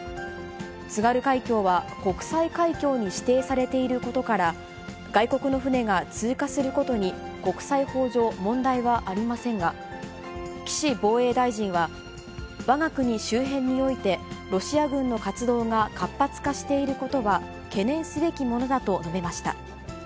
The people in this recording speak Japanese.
津軽海峡は、国際海峡に指定されていることから、外国の船が通過することに国際法上、問題はありませんが、岸防衛大臣は、わが国周辺において、ロシア軍の活動が活発化していることは、懸念すべきものだと述べました。